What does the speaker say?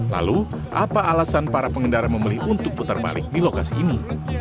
lalu apa alasan para pengendara memilih untuk putar balik di lokasi ini